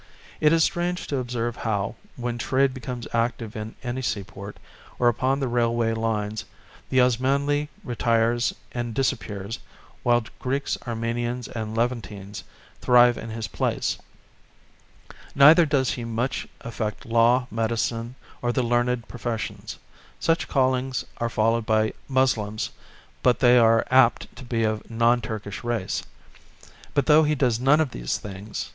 It is strange to observe how, when trade becomes active in any seaport, or upon the railway lines, the Osmanli retires and disappears, while Greeks, Armenians and Levantines thrive in his place. Neither does he much affect law, medicine or the learned professions. Such callings are followed by Moslims but they are apt to be of non Turkish race. But though he does none of these things